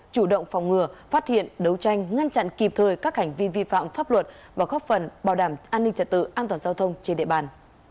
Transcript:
chủ động phòng ngừa phát hiện đấu tranh ngăn chặn kịp thời các hành vi vi phạm pháp luật và góp phần bảo đảm an ninh trật tự an toàn giao thông trên địa bàn